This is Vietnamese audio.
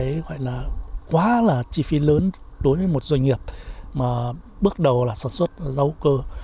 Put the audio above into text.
tôi cho là đây là một cái gọi là quá là chi phí lớn đối với một doanh nghiệp mà bước đầu là sản xuất rau cơ